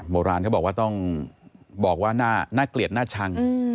โบราณเขาบอกว่าต้องบอกว่าน่าเกลียดน่าชัง